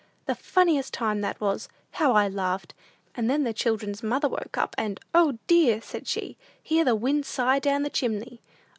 "The funniest time that was! How I laughed! And then the children's mother woke up, and, 'O, dear,' said she; 'hear the wind sigh down the chimney!'